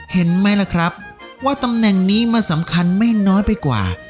เห็นไหมล่ะครับว่าตำแหน่งนี้มันสำคัญไม่น้อยไปกว่า